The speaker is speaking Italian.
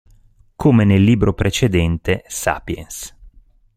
Come nel libro precedente, "Sapiens.